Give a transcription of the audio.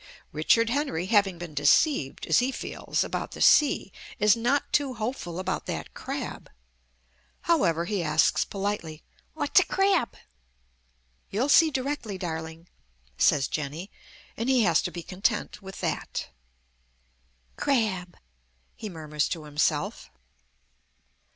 Richard Henry, having been deceived, as he feels, about the sea, is not too hopeful about that crab. However, he asks politely, "What's a crab?" "You'll see directly, darling," says Jenny; and he has to be content with that. "Crab," he murmurs to himself.